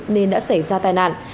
nên đã xảy ra tai nạn